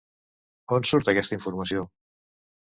On surt aquesta informació?